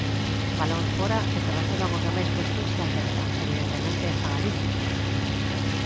Balóns fóra e que resolvan os demais cuestións que afectan, evidentemente, a Galicia.